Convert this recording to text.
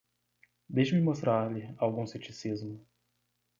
Deixe-me mostrar-lhe algum ceticismo.